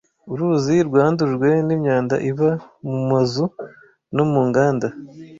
Uruzi rwandujwe n’imyanda iva mu mazu no mu nganda.